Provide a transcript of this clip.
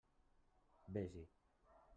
Vés-hi.